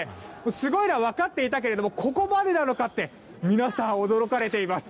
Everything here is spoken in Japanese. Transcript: すごいのは分かっていたけれどもここまでなのかって皆さん、驚かれています。